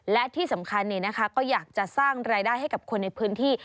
และที่สำคัญก็อยากจะสร้างรายได้ให้กับคนในพื้นที่